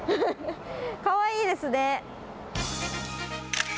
かわいいですね。